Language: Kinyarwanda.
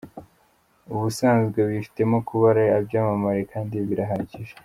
Ubusanzwe bifitemo kuba ari ibyamamare kandi birahagije.